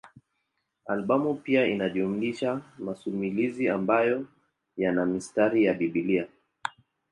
Albamu pia inajumuisha masimulizi ambayo yana mistari ya Biblia.